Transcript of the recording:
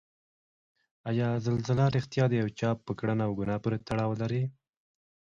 زلزله ریښتیا د یو چا په کړنه او ګناه پورې تړاو لري؟